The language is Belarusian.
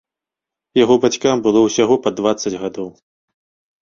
Яго бацькам было ўсяго па дваццаць гадоў.